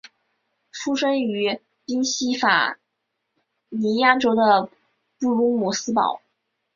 出生于宾夕法尼亚州的布卢姆斯堡。